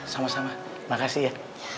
sama sama makasih ya